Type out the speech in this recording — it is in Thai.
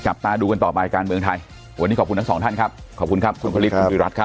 ตาดูกันต่อไปการเมืองไทยวันนี้ขอบคุณทั้งสองท่านครับขอบคุณครับคุณพระฤทธคุณวิรัติครับ